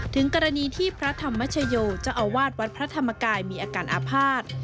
ถึงกรณีที่พระธรรมชโยเจ้าอาวาสวัดพระธรรมกายมีอาการอาภาษณ์